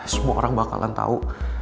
semua orang bakalan tau